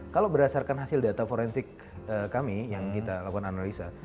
kalau berdasarkan hasil data forensik kami yang kita lakukan analisa